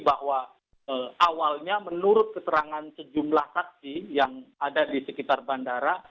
bahwa awalnya menurut keterangan sejumlah saksi yang ada di sekitar bandara